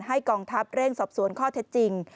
กองทัพเร่งสอบสวนข้อเท็จจริง